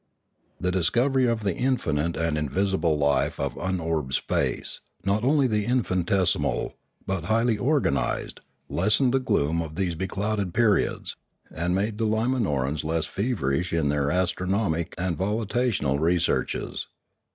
The discovery of the infinite and invisible life of unorbed space, not only infinitesimal but highly or ganised, lessened the gloom of these beclouded periods, and made the Limanorans less feverish in their astro nomic and volitational researches.